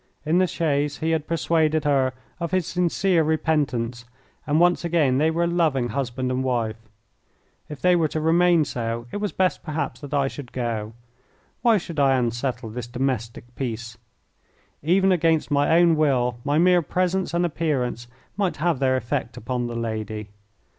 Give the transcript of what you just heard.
In the chaise he had persuaded her of his sincere repentance, and once again they were a loving husband and wife. If they were to remain so it was best perhaps that I should go. Why should I unsettle this domestic peace? Even against my own will my mere presence and appearance might have their effect upon the lady.